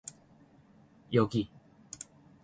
여기.